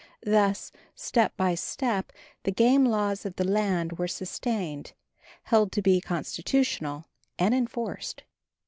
Thus, step by step, the game laws of the land were sustained, held to be constitutional and enforced.